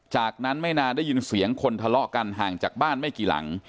จากนั้นไม่นานได้ยินเสียงคนทะเลาะกันห่างจากบ้านไม่กี่หลัง